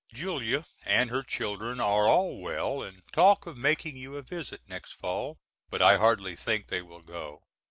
Julia and her children are all well and talk of making you a visit next fall, but I hardly think they will go.